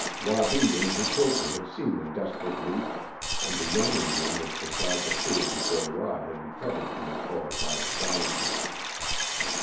Wabi and Mukoki had seen the desperate leap and the young Indian was beside the pool before Rod had recovered from his horrified astonishment.